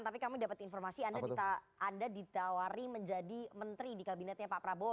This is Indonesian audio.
tapi kami dapat informasi anda ditawari menjadi menteri di kabinetnya pak prabowo